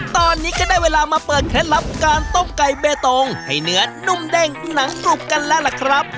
ตอนนี้ก็ได้เวลามาเปิดเคล็ดลับการต้มไก่เบตงให้เนื้อนุ่มเด้งหนังกรุบกันแล้วล่ะครับ